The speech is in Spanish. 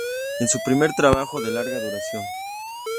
En su primer trabajo de larga duración.